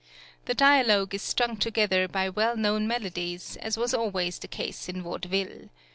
The dialogue is strung together by well known melodies, as was always the case in vaudeville.